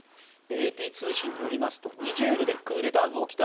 ＡＰ通信によりますとニジェールでクーデターが起きた